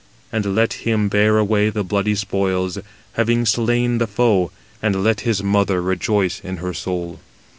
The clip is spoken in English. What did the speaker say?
And let him bear away the bloody spoils, having slain the foe, and let his mother rejoice in her soul."